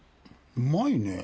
うまいねぇ。